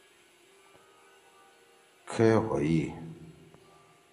کھے ہوئی۔